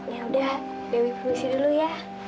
ya udah dewi aku isi dulu ya